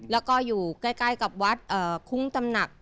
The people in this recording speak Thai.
แล้วก็อยู่ใกล้กับวัดคุ้งตำหนัก